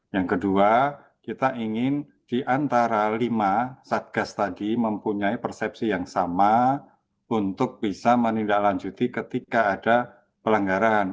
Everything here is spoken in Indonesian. yang kedua kita ingin diantara lima satgas tadi mempunyai persepsi yang sama untuk bisa menindaklanjuti ketika ada pelanggaran